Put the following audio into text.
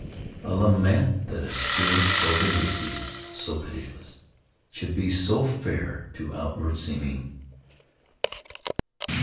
a lament that a spirit so vindictive, so pitiless, should be so fair to outward seeming.